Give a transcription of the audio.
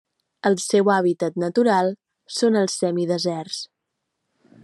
El seu hàbitat natural són els semideserts.